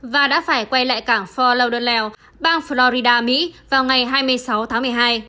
và đã phải quay lại cảng fort lauderdale bang florida mỹ vào ngày hai mươi sáu tháng một mươi hai